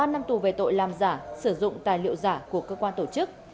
ba năm tù về tội làm giả sử dụng tài liệu giả của cơ quan tổ chức